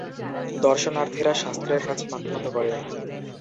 দর্শনার্থীরা শাস্ত্রের কাছে মাথা নত করে।